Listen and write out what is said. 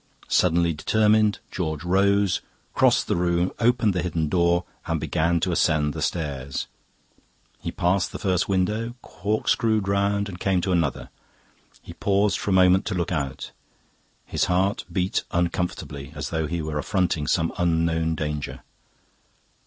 Suddenly determined, George rose, crossed the room, opened the hidden door, and began to ascend the stairs. He passed the first window, corkscrewed round, and came to another. He paused for a moment to look out; his heart beat uncomfortably, as though he were affronting some unknown danger.